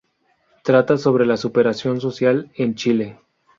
Trata sobre la superación social en Chile.